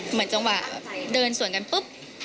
เหมือนจังหวะแบบเดินสวนกันปุ๊บ